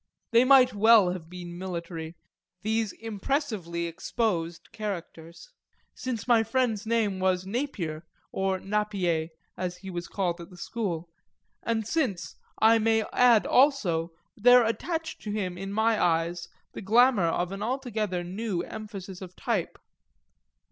They might well have been military, these impressively exposed characters, since my friend's name was Napier, or Nappié as he was called at the school, and since, I may add also, there attached to him, in my eyes, the glamour of an altogether new emphasis of type.